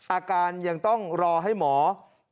อาการยังต้องรออีกนิดนึงนะครับ